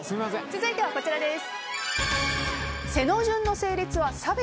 続いてはこちらです。